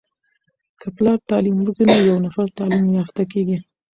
که پلار تعليم وکړی نو یو نفر تعليم يافته کیږي.